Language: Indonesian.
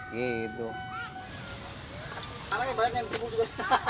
baru dapat duit gitu